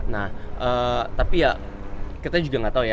nah tapi ya kita juga nggak tahu ya